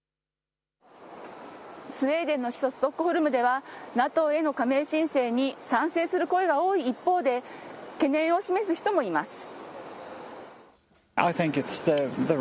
スウェーデンの首都ストックホルムでは、ＮＡＴＯへの加盟申請に賛成する声が多い一方で、懸念を示す人もいます。